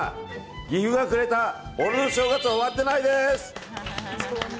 岐阜がくれた俺の正月は終わってないです！